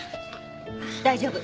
大丈夫。